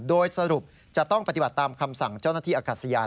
โดยสรุปจะต้องปฏิบัติตามคำสั่งเจ้าหน้าที่อากาศยาน